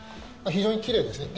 非常にきれいですね。